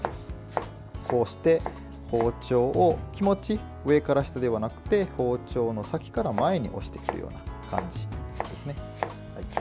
こうして包丁を気持ち上から下ではなくて包丁の先から前へ押して切るような感じですね。